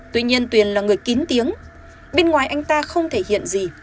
tuy nhiên tuyền là người kín tiếng bên ngoài anh ta không thể hiện gì